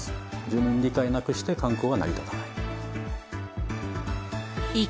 住民理解なくして観光は成り立たない。